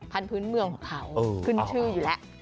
พื้นเมืองของเขาขึ้นชื่ออยู่แล้ว